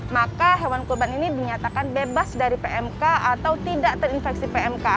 maka hewan kurban ini dinyatakan bebas dari pmk atau tidak terinfeksi pmk